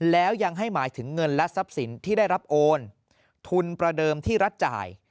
แล้วยังให้หมายถึงเงินและทรัพย์สินที่ได้รับโอนทุนประเดิมที่รัฐจ่าย